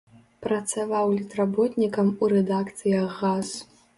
Працаваў літработнікам у рэдакцыях газ.